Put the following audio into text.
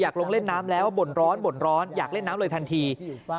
อยากลงเล่นน้ำแล้วบ่นร้อนอยากเล่นน้ำเลยทันที